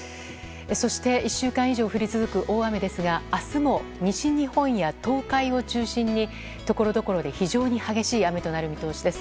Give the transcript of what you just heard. そして１週間以上降り続く大雨ですが明日も西日本や東海を中心にところどころで非常に激しい雨となる見通しです。